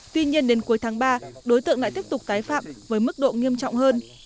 tuy nhiên đến cuối tháng ba đối tượng lại tiếp tục tái phạm với mức độ nghiêm trọng hơn